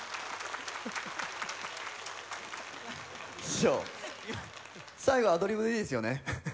「楓」師匠最後アドリブでいいですよね？